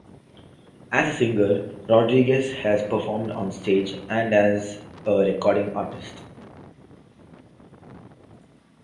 As a singer, Rodriguez has performed on stage and as a recording artist.